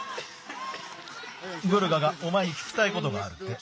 グルガがおまえにききたいことがあるって。